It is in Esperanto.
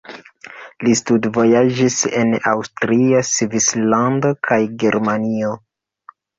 Li studvojaĝis en Aŭstrio, Svislando kaj Germanio.